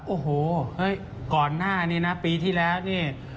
โอ้โหเฮ้ยก่อนหน้านี้นะปีที่แล้วนี่